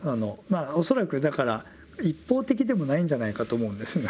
恐らくだから一方的でもないんじゃないかと思うんです。